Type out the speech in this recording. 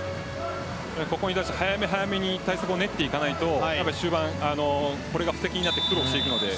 早め早めに対策を練っていかないと終盤、これが布石になって苦労していく。